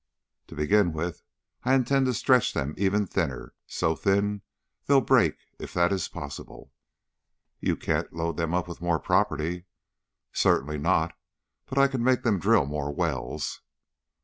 "To begin with, I intend to stretch them even thinner so thin they'll break, if that is possible." "You can't load them up with more property." "Certainly not, but I can make them drill more wells."